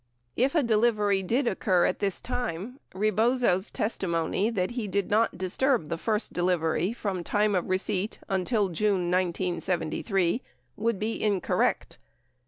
94 If a delivery did occur at this time, Rebozo's testimony that he did not disturb the first delivery from time of receipt until June 1973 would be incorrect.